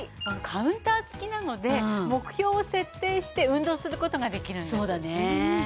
カウンター付きなので目標を設定して運動する事ができるんです。